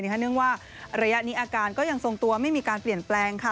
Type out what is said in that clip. เนื่องว่าระยะนี้อาการก็ยังทรงตัวไม่มีการเปลี่ยนแปลงค่ะ